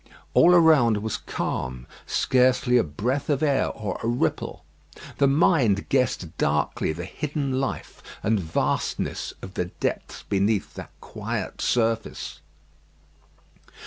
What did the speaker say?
All around was calm. Scarcely a breath of air or a ripple. The mind guessed darkly the hidden life and vastness of the depths beneath that quiet surface.